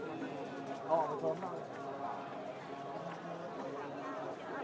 เมื่อเวลาอันดับสุดท้ายเมื่อเวลาอันดับสุดท้าย